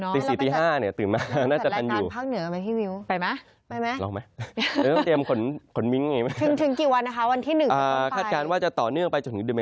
รางงานไม่ทันแล้วอยากไปดู